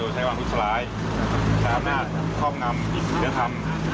สวัสดีครับ